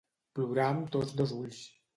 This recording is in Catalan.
Plorar amb tots dos ulls.